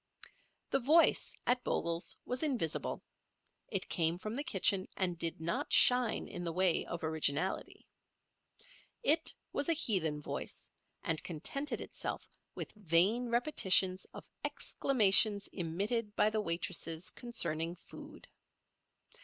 The Voice at Bogle's was invisible. It came from the kitchen, and did not shine in the way of originality. It was a heathen Voice, and contented itself with vain repetitions of exclamations emitted by the waitresses concerning food.